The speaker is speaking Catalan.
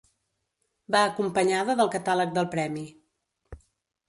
Va acompanyada del catàleg del Premi.